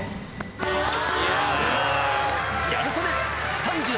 ギャル曽根